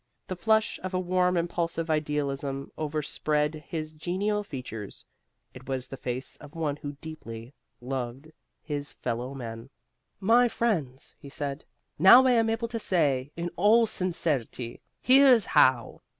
The flush of a warm, impulsive idealism over spread his genial features. It was the face of one who deeply loved his fellow men. "My friends," he said, "now I am able to say, in all sincerity, Here's How.